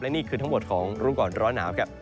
นี่คือทั้งหมดของรู้ก่อนร้อนหนาวครับ